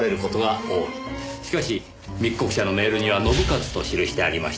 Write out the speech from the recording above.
しかし密告者のメールには「ノブカズ」と記してありました。